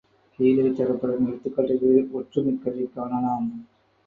கீழே தரப்படும் எடுத்துக்காட்டுகளில் ஒற்று மிக்கதைக் காணலாம்.